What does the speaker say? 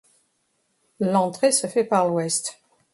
L'entrée se fait par l'ouest.